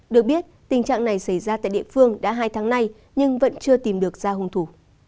được biết tình trạng này xảy ra tại địa phương đã hai tháng nay nhưng vẫn chưa tìm được ra hung thủ